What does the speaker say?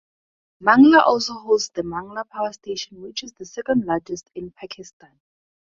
Mangla also hosts the Mangla Power Station which is the second largest in Pakistan.